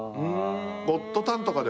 『ゴッドタン』とかでも。